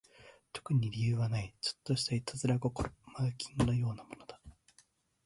特に理由はない、ちょっとした悪戯心、マーキングのようなものだ